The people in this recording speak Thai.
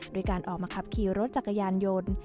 โดยการออกมาขับขี่รถจักรยานยนต์